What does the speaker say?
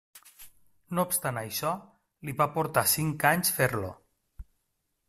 No obstant això, li va portar cinc anys fer-lo.